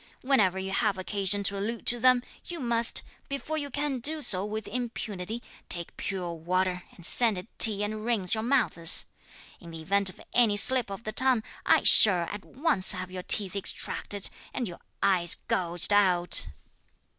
Whenever you have occasion to allude to them, you must, before you can do so with impunity, take pure water and scented tea and rinse your mouths. In the event of any slip of the tongue, I shall at once have your teeth extracted, and your eyes gouged out.'